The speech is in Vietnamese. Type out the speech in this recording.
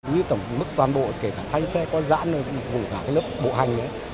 như tổng mức toàn bộ kể cả thanh xe con dãn cả lớp bộ hành ấy